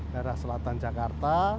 darah selatan jakarta